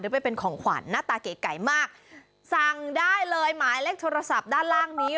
ไปเป็นของขวัญหน้าตาเก๋ไก่มากสั่งได้เลยหมายเลขโทรศัพท์ด้านล่างนี้